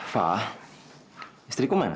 fah istri kau mana